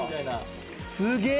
すげえ。